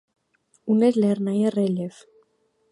Ունէր լեռնային ռէլիէֆ։